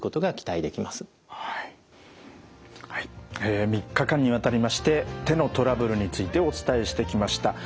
え３日間にわたりまして手のトラブルについてお伝えしてきました。